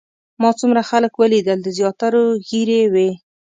ما څومره خلک ولیدل د زیاترو ږیرې وې.